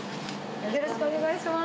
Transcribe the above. よろしくお願いします。